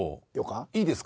いいですか？